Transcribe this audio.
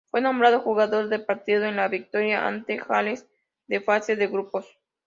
Fue nombrado jugador del partido en la victoria ante Gales de fase de grupos.